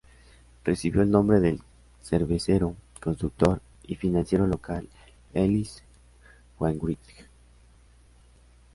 Recibió el nombre del cervecero, constructor y financiero local Ellis Wainwright.